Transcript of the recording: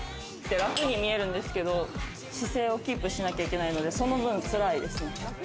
楽に見えるんですけど姿勢をキープしなきゃいけないので、その分、辛いですね。